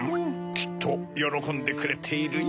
きっとよろこんでくれているよ。